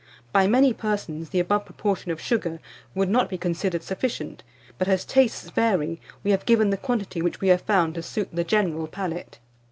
By many persons, the above proportion of sugar would not be considered sufficient; but as tastes vary, we have given the quantity which we have found to suit the general palate.